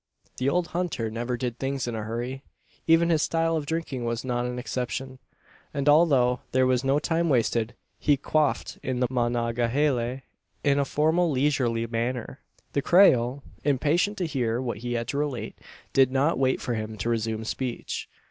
The old hunter never did things in a hurry. Even his style of drinking was not an exception; and although there was no time wasted, he quaffed the Monongahela in a formal leisurely manner. The Creole, impatient to hear what he had to relate, did not wait for him to resume speech.